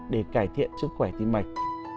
để cải thiện sức khỏe tim mạch